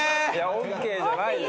・ＯＫじゃないよ。